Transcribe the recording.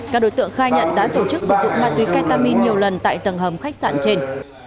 các đối tượng khai nhận đã tổ chức sử dụng ma túy ketamin nhiều lần tại tầng hầm khách sạn trên